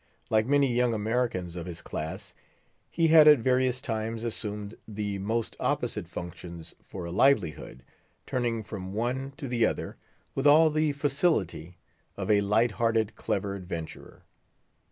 Like many young Americans of his class, he had at various times assumed the most opposite functions for a livelihood, turning from one to the other with all the facility of a light hearted, clever adventurer.